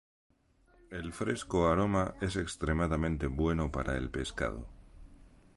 El fresco aroma es extremadamente bueno para el pescado.